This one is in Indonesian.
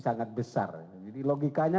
sangat besar jadi logikanya